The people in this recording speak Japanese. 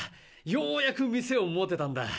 ようやく店を持てたんだ。